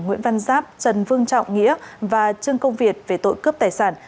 nguyễn văn giáp trần vương trọng nghĩa và trương công việt về tội cướp tài sản